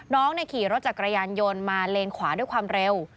น้องขี่รถจักรยานยนต์มาเลนขวาด้วยความเร็ว